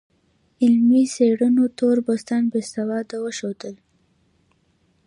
علمي څېړنو تور پوستان بې سواده وښودل.